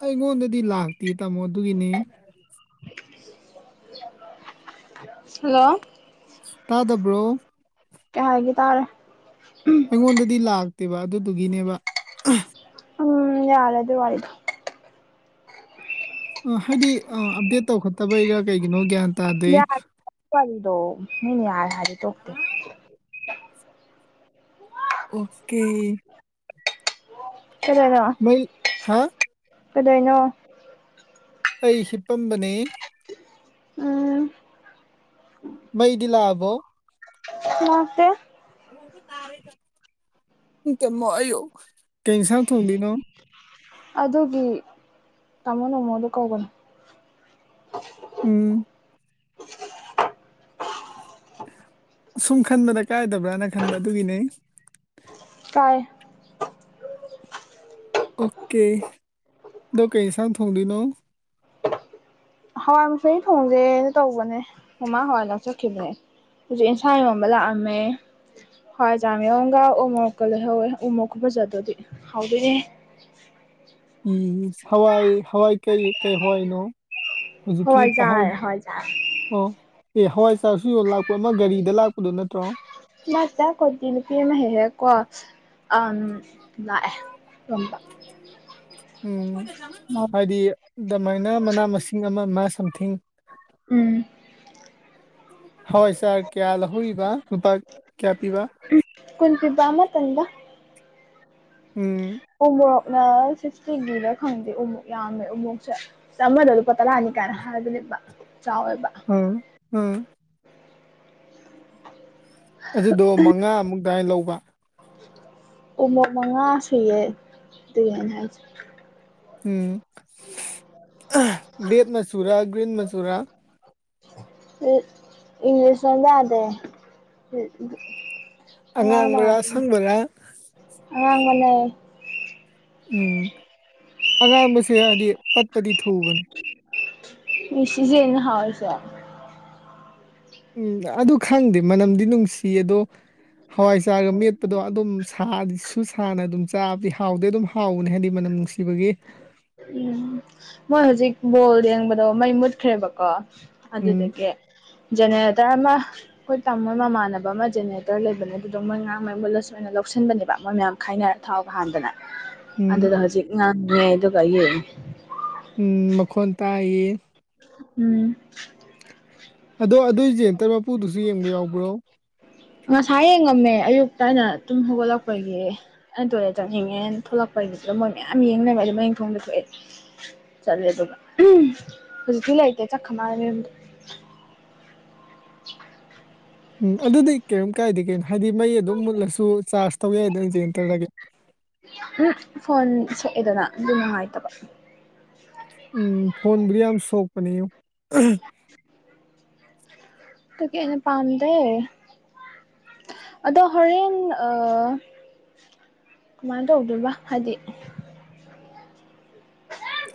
ꯑꯩꯉꯣꯟꯗꯗꯤ ꯂꯥꯛꯇꯦ ꯇꯥꯃꯣ ꯑꯗꯨꯒꯤꯅꯤ ꯍꯜꯂꯣ ꯇꯥꯗꯕ꯭ꯔꯣ ꯀꯥꯏꯕꯥ ꯇꯥꯔꯦ ꯑꯩꯉꯣꯟꯗꯥꯗꯤ ꯂꯥꯛꯇꯦꯕ ꯑꯗꯨꯗꯨꯒꯤꯅꯦꯕ ꯎꯝ ꯌꯥꯔ ꯑꯗꯨ ꯑꯣꯏꯏꯗ ꯑꯥ ꯍꯥꯏꯗꯤ ꯑꯥ ꯑꯞꯗꯦꯠ ꯇꯧꯈꯠꯇꯕꯩꯔꯥ ꯀꯩꯒꯤꯅꯣ ꯒ꯭ꯌꯥꯟ ꯇꯥꯗꯦ ꯌꯥ ꯋꯥꯔꯤ ꯋꯥꯔꯤꯗꯣ ꯃꯤꯅꯤ ꯌꯥꯔ ꯍꯥꯔ ꯆꯇ [unintelligible] ꯑꯣꯀꯦ [inaudible] ꯑꯣ ꯃꯣꯏ ꯍꯥ ꯀꯗꯅꯣ ꯑꯩ ꯍꯤꯄꯝꯕꯅꯦ ꯎꯝ ꯃꯩꯗꯤꯂ ꯑꯕꯣ ꯅꯃꯁꯦ ꯍ ꯇꯥꯔꯦ ꯆ [unintelligible] ꯀꯩ ꯏꯟꯁꯥꯡ ꯊꯣꯡꯗꯅ ꯑꯗꯨꯒꯤ ꯇꯥꯃꯣ ꯅꯣꯡꯃꯣꯗꯨ ꯀꯧꯕꯅꯨ ꯎꯝ ꯁꯨꯝ ꯈꯟꯕꯗ ꯀꯥꯏꯗꯕ꯭ꯔꯅ ꯈꯟꯕ ꯑꯗꯨꯒꯤꯅꯦ ꯀꯥꯏ ꯑꯣꯀꯦ ꯑꯗꯨ ꯀꯩ ꯁ ꯊꯣꯡꯗꯅ ꯍꯋꯥꯏꯃꯨꯁꯣꯏ ꯊꯣꯡꯁꯦꯅ ꯇꯧꯕꯅꯦ ꯃꯃꯥꯡ ꯍꯋꯥꯏ ꯂꯥꯛꯆꯈꯤꯕꯅꯦ ꯍꯧꯖꯤꯛ ꯑꯦꯟꯁꯥꯡ ꯌꯣꯟꯕ ꯂꯥꯛꯑꯝꯃꯦ ꯍꯣꯏ ꯆꯥꯝꯃꯤꯡꯝꯒ ꯎꯃꯣꯛꯀ ꯂꯩꯍꯧꯋꯦ ꯎꯃꯣꯛꯀ ꯐꯖꯗꯗꯤ ꯍꯧꯗꯣꯏꯅꯦ [inaudible] ꯎꯝ ꯍꯋꯥꯏ ꯍꯋꯥꯏ ꯀꯩ ꯀꯩ ꯍꯋꯥꯏ ꯅꯣ ꯍꯧꯖꯤꯛꯀꯤ ꯍꯋꯥꯏꯖꯥꯔ ꯍꯋꯥꯏꯖꯥꯔ ꯇꯥꯍꯧꯕ‌ꯔ‌ꯣ ꯑꯦ ꯍꯋꯥꯏ ꯆꯔꯁꯨ ꯌ ꯂꯥꯛꯄ ꯑꯃ ꯒꯥꯔꯤꯗ ꯂꯥꯛꯄꯗꯨꯣ ꯅꯠꯇ꯭ꯔꯣ ꯃ ꯀꯠꯇꯅ ꯄ ꯍꯦꯍꯦꯛꯀꯣ ꯑ ꯂꯥꯛꯑ ꯑꯗꯨꯝꯕ ꯎꯝ ꯍꯥꯏꯗꯤ ꯑꯗꯨꯃꯥꯏꯅ ꯃꯅꯥ ꯃꯁꯤꯡ ꯑꯃ ꯑꯃ ꯁꯝ ꯎꯝ ꯍꯣꯏ ꯁꯥꯔ ꯀꯌꯥ ꯂꯧꯍꯧꯔꯤꯕ ꯂꯨꯄꯥ ꯀꯌꯥ ꯄꯤꯕ [unintelligible] ꯀꯨꯟ ꯐꯤꯕ ꯑꯃ ꯃꯇꯝꯗ ꯎꯝ ꯎꯃꯣꯛꯅ ꯁꯤꯛꯁꯇꯤꯒꯤꯗ ꯈꯪꯗꯦ ꯎꯃꯨꯛ ꯌꯥꯝꯃꯦ ꯎꯃꯣꯛꯁꯦ ꯑꯃꯗ ꯄꯠꯇꯂ ꯍꯅꯤ ꯀꯥꯟ ꯍꯥꯏꯕꯅꯦꯕ ꯆꯥꯎꯋꯦꯕ ꯑꯝ ꯎꯝ ꯑꯗꯨꯗꯣ ꯃꯉꯥꯃꯨꯛ ꯑꯗꯨꯏ ꯂꯧꯕ ꯎꯃꯛ ꯃꯉꯥ ꯁꯨꯏꯌꯦꯦ ꯑꯗꯨꯅꯦꯅ ꯍꯥꯏꯁꯦ ꯎꯝ ꯔꯦꯠ ꯃꯆꯨꯔꯥ ꯒ꯭ꯔꯤꯟ ꯃꯁꯨꯔꯥ ꯏꯪꯂꯤꯁ ꯌꯥꯗꯦ ꯑꯉꯥꯡ ꯃꯥ ꯑꯉꯥꯡꯕꯔꯥ ꯑꯁꯪꯕꯔꯥ ꯑꯉꯥꯡ ꯃꯅꯦ ꯎꯝ ꯑꯉꯥꯡꯕꯁꯦ ꯍꯥꯏꯗꯤ ꯄꯠꯄꯗꯤ ꯊꯨꯕꯅꯤ ꯁꯤꯁꯅ ꯍꯥꯎꯁꯦ ꯎꯝ ꯑꯗꯨ ꯈꯪꯗꯦ ꯃꯅꯝꯗꯤ ꯅꯨꯡꯁꯤ ꯑꯗꯣ ꯍꯋꯥꯏ ꯆꯥꯔꯒ ꯃꯤ ꯑꯗꯨ ꯁꯥ ꯁꯨ ꯁꯥꯥꯟꯅ ꯑꯗꯨꯝ ꯆꯥꯕꯗꯤ ꯍꯥꯎꯗꯤ ꯑꯗꯨꯝ ꯍꯥꯎꯕꯅꯦ ꯍꯥꯏꯗꯤ ꯃꯅꯝ ꯅꯨꯡꯁꯤꯕꯒꯤ ꯎꯝ ꯃꯣꯏ ꯍꯧꯖꯤꯛ ꯕꯣꯜ ꯌꯦꯡꯕꯗꯣ ꯃꯩ ꯃꯨꯠꯈ꯭ꯔꯦꯕꯀꯣ ꯎꯝ ꯑꯗꯨꯗꯒꯤ ꯖꯅꯦ ꯇꯔꯃ ꯑꯩꯈꯣꯏ ꯇꯥꯃꯣ ꯃꯃꯥꯟꯅꯕ ꯑꯃ ꯖꯦꯅꯦꯔꯦꯇꯔ ꯂꯩꯕꯅꯦ ꯑꯗꯨꯗꯣ ꯃꯣꯏ ꯉꯔꯥꯡ ꯃꯩ ꯃꯨꯜꯂ ꯁꯨꯃꯥꯏꯅ ꯂꯧꯁꯤꯟꯕꯅꯦꯕ ꯃꯣꯏ ꯃꯌꯥꯝ ꯈ ꯍꯥꯏꯅꯔ ꯊꯥꯎꯒ ꯍꯥꯟꯗꯅ ꯎꯝ ꯑꯗꯨꯗ ꯍꯧꯖꯤꯛ ꯉꯪꯉꯦ ꯑꯗꯨꯒ ꯌꯦꯡꯉꯦ ꯎꯝ ꯃꯈꯟ ꯇꯥꯏꯌꯦ ꯎꯝ ꯑꯗꯣ ꯑꯗꯨꯏꯁꯦꯇꯔ ꯃꯄꯨꯗꯨꯁꯨ ꯌꯦꯡꯕ ꯌꯥꯎꯕ꯭ꯔꯣ ꯉꯁꯥꯏ ꯌꯦꯡꯉꯝꯃꯦ ꯑꯌꯨꯛꯇ ꯑꯩꯅ ꯑꯗꯨꯨꯝ ꯍꯧꯒꯠꯂꯛꯄꯒꯤ ꯑꯩꯅ ꯇꯣꯂꯦ ꯆꯅꯤꯡꯉꯦꯅ ꯊꯣꯛꯂꯛꯄ ꯗꯨ ꯃꯣꯏ ꯃꯌꯥꯝ ꯌꯦꯡꯅꯕ ꯑꯗꯨ ꯃꯡ ꯊꯣꯡꯗ ꯊꯣꯛꯑꯦ ꯆꯠꯂꯦ ꯑꯗꯨꯒ ꯍꯧꯖꯤꯛꯇꯤ ꯂꯩꯇꯦ ꯆꯠꯈꯃ ꯎꯝ ꯑꯗꯨꯗꯤ ꯀꯔꯤꯝ ꯀꯥꯏꯗ ꯀꯩꯅꯣ ꯍꯥꯏꯗꯤ ꯃꯩ ꯑꯗꯨꯝ ꯃꯨꯠꯂꯁꯨ ꯆꯥꯔꯖ ꯇꯧ ꯌꯥꯏꯗꯅꯁꯟꯇꯔꯒꯦ ꯐꯣꯟ ꯁꯛꯑꯦꯗꯅ ꯑꯗꯨ ꯅꯨꯡꯉꯥꯏꯇꯕ ꯎꯝ ꯐꯣꯟꯟꯌꯥꯝ ꯁꯣꯛꯄꯅꯤꯨ ꯇꯅ ꯄꯝ ꯗ ꯑꯗ ꯍꯣꯔꯦꯟ ꯀꯃꯥꯟꯅꯗꯣ ꯑꯕꯗꯨꯜꯕꯥ ꯍꯥꯏꯖꯤꯗꯤ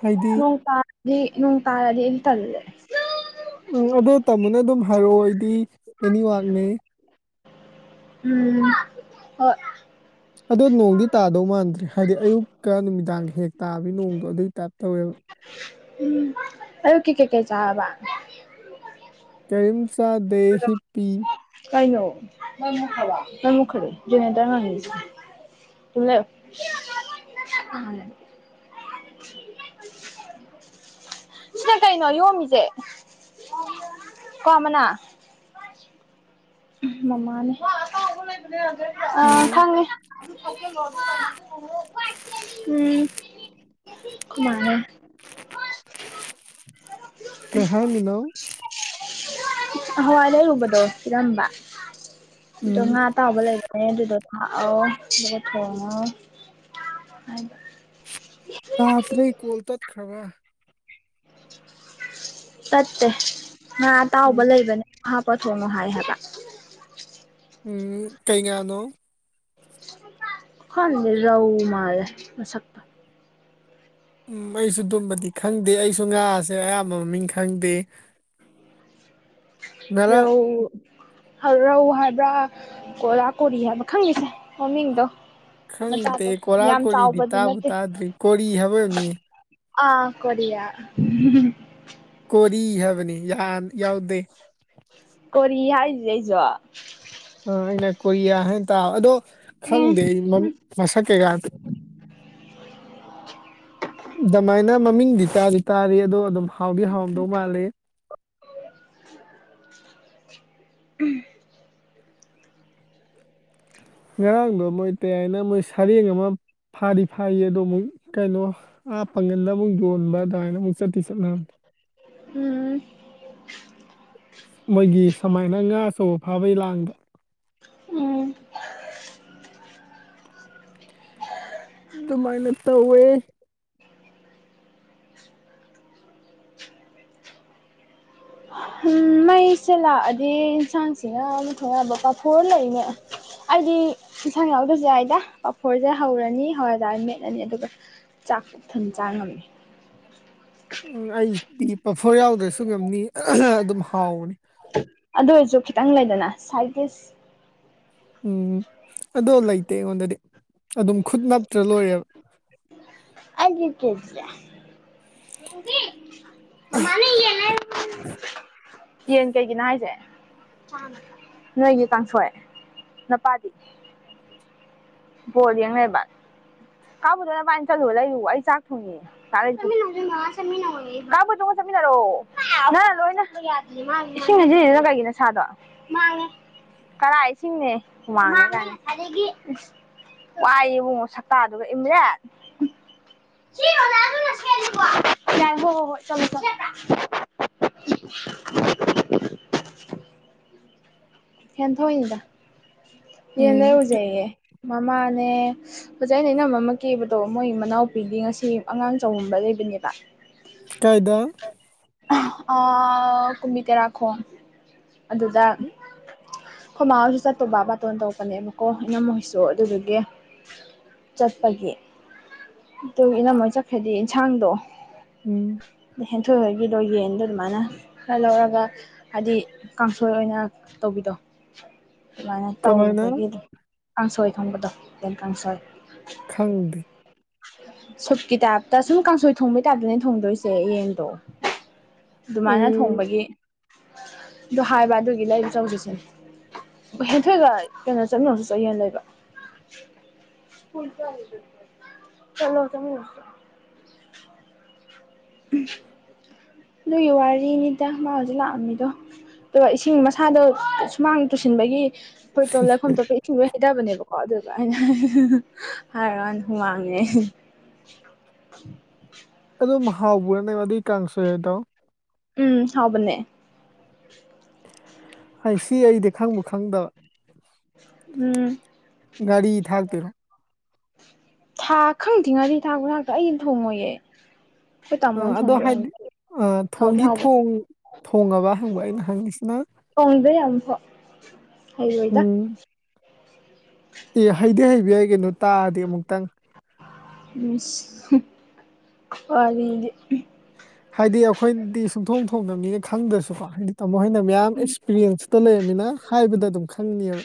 ꯍꯥꯏꯗꯤ ꯅꯣꯡ ꯇꯥꯗꯤ ꯅꯣꯡ ꯇꯥꯔꯗꯤ ꯏꯇꯂꯦ ꯎꯝ ꯑꯗ ꯇꯥꯃꯣꯅ ꯑꯗꯨꯝ ꯍꯥꯏꯔꯛꯑꯣ ꯑꯩꯗꯤ ꯑꯦꯅꯤꯋꯥꯛꯅꯦ ꯎꯝ ꯍ ꯑꯗꯣ ꯅꯣꯡꯗꯤ ꯇꯥꯗꯧ ꯃꯥꯟꯗ꯭ꯔꯦ ꯍꯥꯏꯗꯤ ꯑꯌꯨꯛꯀ ꯅꯨꯃꯤꯗꯥꯡꯒ ꯍꯦꯛ ꯇꯥꯕ ꯅꯣꯡꯗꯣ ꯑꯗꯨꯏ ꯇꯥꯏꯞꯇ ꯇꯧꯋꯦ ꯎꯝ ꯑꯌꯨꯛꯀꯤ ꯀꯩ ꯀꯦ ꯆꯥꯕ ꯀꯏꯟꯆꯥꯥ ꯗꯦꯍꯤ ꯄꯤ ꯀꯥꯏꯅꯑꯣ ꯃꯩ ꯃꯨꯈꯔ꯭ꯕ ꯃꯩ ꯃꯨꯠꯈꯔ꯭ꯦ ꯒꯦꯅꯦꯔꯇꯣꯔ [unintelligible] [inaudible] [inaudible] ꯁꯤꯗ ꯀꯩꯅꯣ ꯌꯣꯝꯃꯤꯁꯦ ꯀꯣ ꯑꯃꯅꯥ ꯃꯃꯥꯅꯦ ꯑ ꯎꯝ ꯈꯪꯉꯦ ꯎꯝ ꯀꯃꯥꯏꯅꯥ ꯀꯩ ꯍꯥꯏꯔꯤꯅꯣ ꯍꯋꯥꯏ ꯂꯩꯔꯨꯕꯗꯣ ꯄꯤꯔꯝꯕ ꯑꯗꯨꯗꯣ ꯎꯝ ꯉꯥ ꯑꯇꯥꯎꯕ ꯂꯩꯕꯅꯦ ꯑꯗꯨꯗꯣ ꯊꯥꯛꯑꯣ ꯑꯗꯨꯒ ꯊꯣꯡꯉꯣ [unintelligible] ꯇꯥꯇ꯭ꯔ‌ꯦ ꯀꯣꯜ ꯇꯠꯈ꯭ꯔꯕꯔꯥ ꯇꯠꯇꯦ ꯉꯥ ꯑꯇꯥꯎꯕ ꯎꯝ ꯂꯩꯕꯅꯦ ꯍꯥꯞꯄ ꯊꯣꯉꯣ ꯍꯥꯏ ꯍꯥꯏꯕꯥ ꯎꯝ ꯀꯩ ꯉꯥꯅꯣ ꯈꯪꯗꯤ ꯔꯎ ꯃꯥꯂ‌ꯦ ꯃꯁꯛꯇ‌ꯣ ꯎꯝ ꯑꯩꯁꯨ ꯑꯗꯨꯝꯕꯗꯤ ꯈꯪꯗꯦ ꯑꯩꯁꯨ ꯉꯥꯁꯦ ꯑꯌꯥꯝꯕ ꯃꯃꯤꯡ ꯈꯪꯗꯦ [inaudible] ꯉꯔꯥꯡ ꯔꯧ ꯔꯧ ꯍꯥꯏꯕ꯭ꯔꯥ ꯀꯣꯔꯥ ꯀꯣꯔꯤ ꯍꯥꯏꯕ꯭ꯔꯥ ꯈꯪꯗꯦꯁꯦ ꯃꯃꯤꯡꯗꯣ ꯈꯪꯗꯦ ꯃꯆꯥꯗꯣ ꯀꯣꯂꯥ ꯌꯥꯝ ꯀꯣꯔꯤꯗꯤ ꯆꯥꯎꯕꯗꯤ ꯇꯥꯕꯨ ꯅꯠꯇꯦ ꯇꯥꯗ꯭ꯔꯤ ꯀꯣꯔꯤ ꯍꯥꯏꯕ ꯑꯣꯏꯔꯝꯅꯤ ꯑꯥ ꯀꯔꯤꯌꯥ ꯀꯣꯔꯤ ꯍꯥꯏꯕꯅꯤ ꯌꯥꯟ ꯌꯥꯎꯗꯦ ꯀꯣꯔꯤ ꯍꯥꯏꯔꯤꯁꯦ ꯑꯩꯁꯨ [unintelligible] ꯑꯗꯣ ꯎꯝ ꯈꯪꯗꯦ ꯑꯩ ꯃꯁꯛ ꯀꯩꯀꯥ ꯑꯗꯨꯃꯥꯏꯅ ꯃꯃꯤꯡꯗꯤ ꯇꯥꯗꯤ ꯇꯥꯔꯦ ꯑꯗꯣ ꯑꯗꯨꯝ ꯍꯥꯎꯗꯤ ꯍꯥꯎꯔꯝꯗꯧ ꯃꯥꯜꯂꯤ ꯎꯝ ꯉꯔꯥꯡꯗꯣ ꯃꯣꯏ ꯇꯌꯥꯏꯅ ꯃꯣꯏ ꯁꯔꯦꯡ ꯑꯃ ꯐꯥꯗꯤ ꯐꯥꯌꯦ ꯑꯗꯨꯕꯨ ꯀꯩꯅꯣ ꯑꯥ ꯄꯪꯒꯟꯗ ꯑꯃꯨꯛ ꯌꯣꯟꯕ ꯑꯗꯨꯃꯥꯏꯅ ꯑꯃꯨꯛ ꯆꯠꯇꯤ ꯆꯠꯅ ꯎꯝ ꯃꯣꯏꯒꯤ ꯁꯨꯃꯥꯏꯅ ꯉꯥ ꯑꯆꯧꯕ ꯐꯥꯕꯩ ꯂꯥꯡꯗ ꯎꯝ ꯑꯗꯨꯃꯥꯏꯅ ꯇꯧꯋꯦ ꯃꯩꯁꯦ ꯂꯥꯛꯑꯗꯤ ꯌꯦꯟꯁꯥꯡꯁꯤꯅ ꯑꯃ ꯊꯣꯡ ꯌꯥꯕ ꯄꯥꯐꯣꯔ ꯂꯩꯅꯦ ꯑꯩꯗꯤ ꯏꯟꯁꯥꯡ ꯌꯥꯎꯗꯁꯨ ꯌꯥꯏꯗꯥ ꯄꯥꯐꯣꯔꯁꯦ ꯍꯧꯔꯅꯤ ꯍꯋꯥꯏꯖꯥꯔ ꯃꯦꯠꯂꯅꯤ ꯑꯗꯨꯒ ꯆꯥꯛ ꯄꯨꯛ ꯊꯟꯅ ꯆꯥ ꯉꯝꯃꯦ [inaudible] ꯎꯝ ꯑꯩꯗꯤ ꯄꯐꯣꯔ ꯌꯥꯎꯗ꯭ꯔꯁꯨ ꯉꯝꯅꯤ ꯑꯗꯨꯝ ꯍꯥꯎꯕꯅꯤ ꯑꯗꯨ ꯑꯣꯏꯖꯨ ꯈꯤꯇꯪ ꯂꯩꯗꯅ ꯁꯥꯏꯠ ꯗꯤꯁ ꯎꯝ ꯑꯗꯣ ꯂꯩꯇꯦ ꯑꯩꯉꯣꯟꯗꯗꯤ ꯑꯗꯨꯝ ꯈꯨꯠ ꯅꯞꯇ꯭ꯔ ꯂꯣꯏꯔꯦꯕ [inaudible] ꯑꯩꯒꯤꯗꯨꯗꯤ ꯃꯥꯅꯦ ꯌꯦꯟ ꯀꯩꯒꯤꯅꯣ ꯍꯥꯏꯁꯦ ꯅꯣꯏꯒꯤ ꯀꯥꯡꯁꯣꯏ ꯅꯄꯥꯗꯤ ꯕꯣꯜ ꯌꯦꯡ ꯂꯩꯔꯕ [unintelligible] [inaudible] ꯔꯣ ꯅ‌ꯪꯅꯥ ꯂꯣꯏ ꯏꯁꯤꯡꯅꯁꯤꯁꯤꯅ ꯀꯩꯒꯤꯅ ꯀꯔꯥꯏ ꯏꯁꯤꯡꯅꯦ ꯍꯨꯃꯥꯡꯅꯦꯀꯥꯏ ꯋꯥꯏ ꯏꯕꯨꯡꯉꯣ ꯁꯛꯇꯥꯗꯨꯒ ꯏꯝꯔꯦꯠ ꯎꯝ [unintelligible] ꯍꯦꯟꯊꯣꯏꯅꯤꯗ ꯌꯦꯟ ꯎꯝ ꯀꯤ- ꯂꯩꯔꯨꯖꯦꯌꯦ ꯃꯃꯥꯅꯦ ꯑꯣꯖꯥ ꯑꯩꯅ ꯑꯩꯅ ꯃꯃ ꯀꯦꯕꯗꯣ ꯃꯣꯏ ꯃꯅꯥꯎꯄꯤꯗꯤ ꯉꯁꯤ ꯑꯉꯥꯡ ꯆꯉꯕ ꯂꯩꯕꯅꯦꯕ ꯀꯥꯏꯗ ꯀꯨꯝꯕꯤ ꯇꯔꯥꯈꯣꯡ ꯑꯗꯨꯗ ꯈꯣꯏꯃꯥ ꯍꯣꯏꯁꯨ ꯆꯠꯇꯣꯏꯕ ꯕꯥꯇꯣꯟ ꯇꯧꯄꯅꯦꯕꯀꯣ ꯏꯅꯝ ꯍꯣꯏꯁꯨ ꯑꯗꯨꯗꯨꯒꯤ ꯆꯠꯄꯒꯤ ꯑꯗꯨ ꯏꯅꯃꯣꯏ ꯆꯠꯈ꯭ꯔꯗꯤ ꯌꯦꯟꯁꯥꯡꯗꯣ ꯎꯝ ꯍꯦꯟꯊꯣꯏ ꯍꯣꯏꯒꯤꯗꯣ ꯌꯦꯟꯗꯣ ꯑꯗꯨꯃꯥꯏꯅ ꯈꯔ ꯂꯧꯔꯒ ꯍꯥꯏꯗꯤ ꯀꯥꯡꯁꯣꯏ ꯑꯣꯏꯅ ꯇꯧꯕꯤꯗꯣ ꯑꯗꯨꯃꯥꯏꯅ ꯀꯃꯥꯏꯅ ꯇꯧꯕꯒꯤ ꯑꯗꯨꯝ ꯀꯥꯡꯁꯣꯏ ꯈꯪꯕꯗꯣ ꯦꯟ ꯀꯥꯡꯁꯣꯏ ꯈꯪꯗꯦ ꯁꯨꯨꯞꯀꯤ ꯇꯥꯏꯞꯇ ꯁꯨꯝ ꯀꯥꯡꯁꯣꯏ ꯊꯣꯡꯕꯩ ꯇꯥꯏꯞꯇꯅꯦ ꯊꯣꯡꯗꯣꯏꯁꯦ ꯌꯦꯟꯗꯣ ꯑꯗꯨꯃꯥꯏꯅ ꯎꯝ ꯊꯣꯡꯕꯒꯤ ꯑꯗꯨ ꯍꯥꯏꯕ ꯑꯗꯨꯒꯤ ꯂꯩꯆꯧꯁꯤꯁꯤꯅꯦ ꯍꯦꯟꯊꯣꯏꯑꯒ ꯀꯩꯅꯣ ꯆꯠꯅꯣꯁꯨ ꯆꯠꯍꯦꯟ ꯂꯩꯕ ꯆꯂꯣꯗꯃꯤ ꯑꯗꯨꯒꯤ ꯋꯥꯔꯤꯅꯤꯗ ꯃꯥ ꯍꯧꯖꯤꯛ ꯂꯥꯛꯑꯝꯃꯤꯗꯣ ꯑꯗꯨꯒ ꯏꯁꯤꯡ ꯃꯁꯥꯗꯣ ꯁꯨꯃꯥꯡ ꯇꯨꯁꯤꯟꯕꯒꯤ ꯑꯩꯈꯣꯏ ꯇꯣ ꯂꯩꯐꯝ ꯊꯣꯛꯞꯄ ꯏꯆꯨꯔ ꯍꯩꯇꯕꯅꯦꯕꯀꯣ ꯑꯗꯨ ꯑꯩꯅ ꯍꯥꯏꯔꯀꯥꯟꯗ ꯍꯨꯃꯥꯡꯅꯦ ꯑꯗꯨꯝ ꯍꯥꯎꯕ꯭ꯔꯅꯦꯕꯩ ꯀꯥꯡꯁꯨ ꯌꯥꯗꯣ ꯎꯝ ꯍꯥꯎꯕꯅꯦ ꯍꯥꯏ ꯁꯤ ꯑꯩꯗꯤ ꯈꯪꯕꯨ ꯈꯪꯗꯕ ꯎꯝ ꯒꯥꯔꯤ ꯊꯜ ꯇꯔꯣ ꯊꯥ ꯈꯪꯗ꯭ꯉꯗꯤ ꯊꯥ ꯈꯨ ꯊꯥꯛꯇ ꯑꯩꯗꯤ ꯊꯣꯡꯉꯣꯏꯌꯦꯦ ꯇꯥꯃꯣꯅ ꯊꯣꯡꯕꯗꯨ ꯑꯣꯏꯔꯝꯅꯤ ꯑ ꯊꯣꯡꯗꯤ ꯊꯣꯡ ꯊꯣꯡꯉꯕ ꯍꯪꯕ ꯑꯩꯅ ꯍꯪꯉꯤꯁꯤꯅ ꯍꯥꯏ ꯑꯣꯏꯣꯏꯗ ꯎꯝ ꯑꯦ ꯍꯩꯗꯤ ꯍꯩꯗꯤ ꯍꯥꯏꯕ ꯌꯥꯏ ꯀꯩꯅꯣ ꯇꯥꯔꯗꯤ ꯑꯃꯨꯛꯇꯪ ꯑꯗꯤ ꯍꯥꯏꯗꯤ ꯑꯩꯈꯣꯏꯗꯤ ꯁꯨꯡꯊꯣꯡ ꯊꯣꯡꯅꯕꯅꯤꯅ ꯈꯪꯗ꯭ꯔꯁꯨꯀꯣ ꯍꯥꯏꯗꯤ ꯃꯈꯣꯏꯅ ꯃꯌꯥꯝ ꯑꯦꯛꯁꯄꯤꯔꯤꯌꯦꯟꯁꯇ ꯂꯩꯔꯝꯃꯤꯅ ꯍꯥꯏꯕꯗ ꯑꯗꯨꯝ ꯈꯪꯅꯤꯕ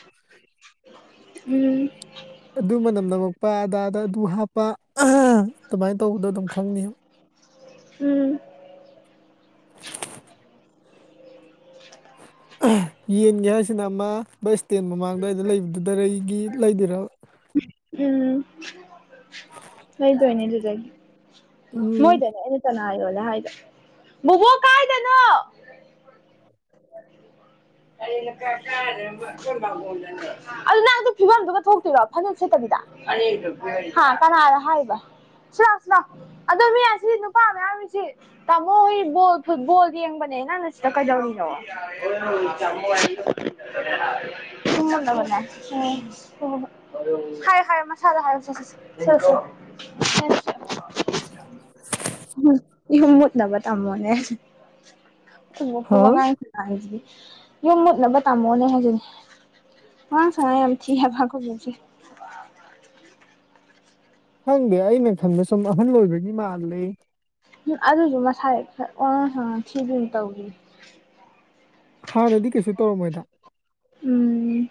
ꯎꯝ ꯑꯗꯨ ꯃꯅꯝ ꯅꯝꯃꯛꯄ ꯑꯗꯥꯗ ꯑꯗꯨ ꯍꯥꯞꯄ ꯑꯗꯨꯃꯥꯏꯅ ꯇꯧꯕꯗꯣ ꯑꯗꯨꯝ ꯈꯪꯅꯤ ꯎꯝ [unintelligible] ꯌꯦꯟꯒꯦ ꯍꯥꯏꯁꯤꯅ ꯑꯃ ꯕꯁ ꯏꯁꯇꯦꯟ ꯃꯃꯥꯡꯗꯋꯥꯏꯗ ꯂꯩꯕꯗꯨꯗꯔꯒꯤ ꯂꯩꯗꯔꯥ ꯎꯝ ꯍ ꯇꯅꯤ ꯑꯗꯨꯖꯗꯒꯤꯦ ꯎꯝ ꯃꯣꯏꯗꯅ ꯑꯩꯅ ꯇꯅ ꯂꯥꯏ ꯌꯣꯂꯦ ꯍꯥꯢꯗꯣ ꯕꯨꯕꯣꯛ ꯀꯥꯏꯗꯅꯣ [unintelligible] ꯑꯗꯨ ꯅꯪ ꯑꯗꯨ ꯐꯤꯕꯝꯗꯨꯒ ꯊꯣꯛꯇꯣꯏꯔꯣ ꯐꯅꯦꯛ ꯁꯦꯠꯇ ꯀꯅꯥꯗ ꯍꯥꯏꯕ ꯁ ꯁꯅꯥ ꯑꯗꯣ ꯃꯤ ꯑꯁꯤ ꯅꯨꯄꯥ ꯃꯌꯥꯝꯃꯤꯁꯤ ꯇꯥꯃꯣ ꯍꯣꯏꯣ ꯐꯨꯠꯕꯣꯜ ꯌꯦꯡꯕꯅꯦ ꯅꯁꯇ ꯀꯖꯎꯅꯤ [unintelligible] ꯍꯥꯏꯌꯣ ꯍꯥꯏꯌꯣ ꯃꯁꯥꯗ ꯍꯥꯏꯌꯣ ꯁꯦ ꯁꯦ ꯁꯦ ꯁꯦ ꯑ ꯏꯍꯨꯝꯃꯠ ꯅꯕ ꯇꯥ ꯃꯅꯦ ꯍꯥ ꯋꯥ ꯉꯥꯏꯁꯤ ꯍꯥꯏꯁꯤꯗꯤ ꯌꯨꯝ ꯃꯨꯠꯅꯕ ꯇꯝꯃꯣꯅꯦ ꯍꯥꯏꯁꯤꯅꯦ ꯋꯥ ꯁꯉꯝ ꯆꯤ ꯐꯀ ꯖꯦ [unintelligible] ꯈꯪꯗꯦ ꯑꯩꯅ ꯈꯟꯕ ꯁꯨꯝ ꯑꯍꯜ ꯑꯣꯏꯕꯒꯤ ꯃꯥꯜꯂꯤ ꯑꯗꯨꯁꯨ ꯃꯁꯥꯗ ꯑꯣꯟꯍꯟ ꯍꯍꯟ ꯊꯤꯗꯨꯅ ꯇꯧꯈꯤ ꯍꯥꯟꯅꯗꯤ ꯀꯩꯁꯨ ꯇꯧꯔꯝ ꯃꯣꯏꯗ ꯎꯝ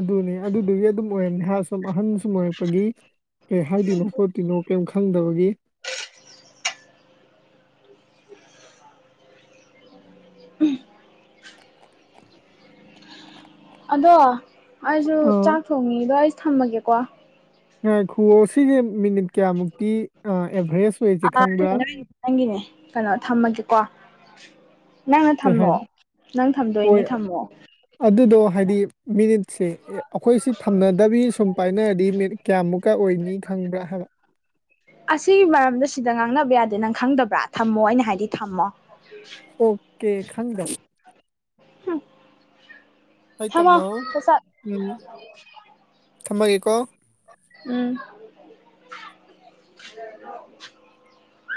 ꯑꯗꯨꯅꯦ ꯑꯗꯨꯗꯨꯒꯤ ꯑꯗꯨꯝ ꯑꯣꯏꯔꯝꯅꯤ ꯁꯨꯝ ꯑꯍꯟ ꯁꯨꯝꯃꯥꯏꯔꯛꯄꯒꯤ ꯀꯩ ꯍꯥꯏꯗꯣꯏꯅꯣ ꯈꯣꯠꯇꯣꯏꯅꯣ ꯀꯔꯤꯝ ꯈꯪꯗꯕꯒꯤ ꯎꯝ ꯑꯗꯣ ꯑꯩꯁꯨ ꯑꯥ ꯆꯥꯛ ꯊꯣꯡꯉꯤꯗꯣ ꯑꯩ ꯊꯝꯃꯒꯦꯀꯣ ꯈꯨꯔꯣ ꯁꯤꯁꯦ ꯃꯤꯅꯤꯠ ꯀꯌꯥꯃꯨꯛꯇꯤ ꯑꯦꯚꯔꯦꯖ ꯑꯣꯏꯁꯦ ꯑꯥ ꯈꯪꯕ꯭ꯔꯥ ꯅꯪꯒꯤꯅꯦ ꯀꯩꯅꯣ ꯊꯝꯃꯒꯦꯀꯣ ꯅꯪꯅ ꯀꯩ ꯊꯝꯃꯣ ꯍꯥꯏꯅꯤ ꯅꯪ ꯊꯝꯗꯣꯏꯅꯦ ꯍꯣꯏ ꯊꯝꯃꯣ ꯑꯗꯨꯗꯣ ꯍꯥꯏꯗꯤ ꯃꯤꯅꯤꯠꯁꯦ ꯑꯩꯈꯣꯏꯁꯤ ꯊꯝꯅꯗꯕꯤ ꯁꯨꯝ ꯄꯥꯏꯅꯔꯗꯤ ꯃꯤꯠ ꯀꯌꯥꯃꯨꯛꯀ ꯑꯣꯏꯅꯤ ꯈꯪꯕ꯭ꯔꯥ ꯍꯥꯏꯔꯛ ꯑꯣ ꯑꯁꯤꯒꯤ ꯃꯔꯝꯗ ꯁꯤꯗ ꯉꯥꯡꯅꯕ ꯌꯥꯗꯦ ꯅꯪ ꯈꯪꯗꯕ꯭ꯔꯥ ꯊꯝꯃꯣ ꯑꯩꯅ ꯍꯥꯏꯗꯤ ꯊꯝꯃꯣ ꯑꯣꯀꯦ ꯈꯪꯗ ꯍꯣꯏ ꯍꯃ ꯇꯥꯃꯣ ꯐꯁ ꯎꯝ ꯊꯝꯃꯒꯦꯀꯣ ꯎꯝ